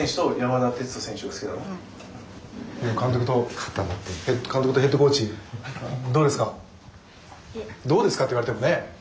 監督とどうですかって言われてもねえ。